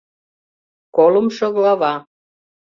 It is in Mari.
КОЛЫМШО ГЛАВА